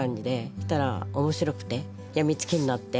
そしたら面白くて病みつきになって。